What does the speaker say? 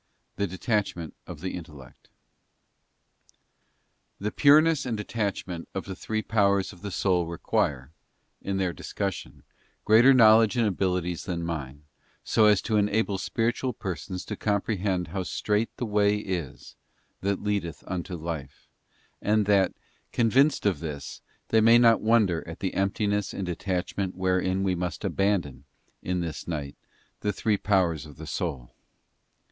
The detachment of the intellect. BOOK THE pureness and detachment of the three powers of the soul require, for their discussion, greater knowledge and abilities than mine, so as to enable spiritual persons to com prehend how strait the "way is that leadeth unto life, and that, convinced of this, they may not wonder at the empti ness and detachment wherein we must abandon, in this night, the three powers of the soul.